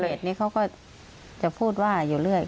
แต่มีเหตุนี้เขาก็จะพูดว่าอยู่เรื่อย